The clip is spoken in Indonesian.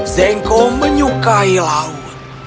zangko menyukai laut